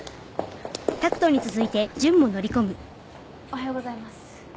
おはようございます。